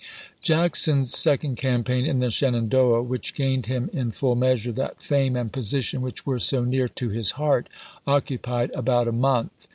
Jackson's second campaign in the Shenandoah, which gained him in full measure that fame and position which were so near to his heart, occupied about a month.